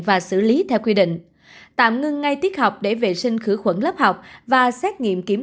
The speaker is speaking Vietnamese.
và xử lý theo quy định tạm ngưng ngay tiết học để vệ sinh khử khuẩn lớp học và xét nghiệm kiểm